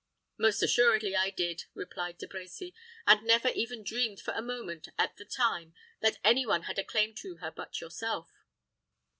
"Most assuredly I did," replied De Brecy; "and never even dreamed for a moment, at the time, that any one had a claim to her but yourself."